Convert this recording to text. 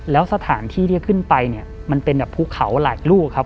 แล้วสถานที่ที่ขึ้นไปเนี่ยมันเป็นแบบภูเขาหลายลูกครับ